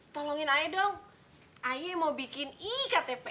tolongin ae dong ae mau bikin ikat tepek